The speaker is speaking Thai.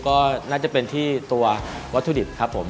ก็น่าจะเป็นที่ตัววัตถุดิบครับผม